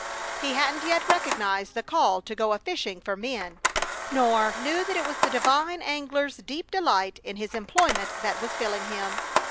He hadn't yet recognized the call to go a fishing for men, nor knew that it was the divine angler's deep delight in his employment that was filling him.